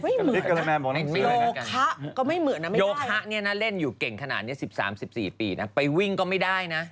ไม่เหมือนนะโยคะก็ไม่เหมือนนะไม่ได้นะโยคะเนี่ยนะเล่นอยู่เก่งขนาดนี้๑๓๑๔ปีนะไปวิ่งก็ไม่ได้นะ